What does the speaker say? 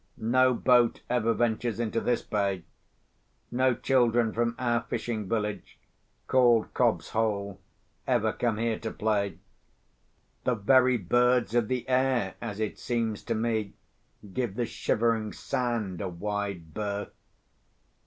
No boat ever ventures into this bay. No children from our fishing village, called Cobb's Hole, ever come here to play. The very birds of the air, as it seems to me, give the Shivering Sand a wide berth.